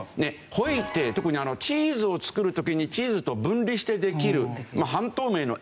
ホエイって特にチーズを作る時にチーズと分離してできる半透明の液体。